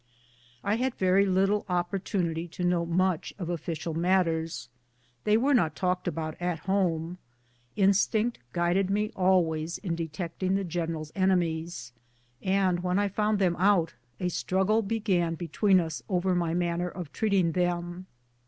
I had very little opportunity to know much of official matters ; they were not talked about at home. Instinct guided me always in detecting the general's enemies, and when I found them out, a struggle began between us as to my manner of treating them.